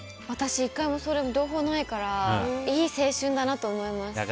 私、１回も両方ないからいい青春だなと思います。